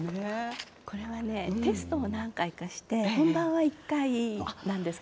これはねテストを何回かして本番は１回なんですけど。